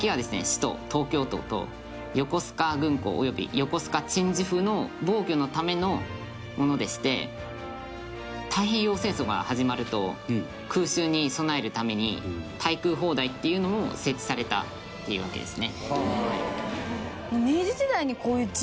首都東京都と横須賀軍港および横須賀鎮守府の防御のためのものでして太平洋戦争が始まると空襲に備えるために対空砲台っていうのも設置されたっていうわけですね。